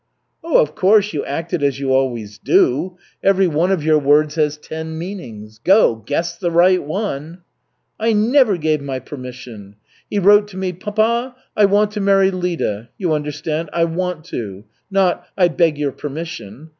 "Oh, of course, you acted as you always do. Everyone of your words has ten meanings. Go, guess the right one." "I never gave my permission. He wrote to me, 'Papa, I want to marry Lida,' you understand, 'I want to,' not 'I beg your permission.'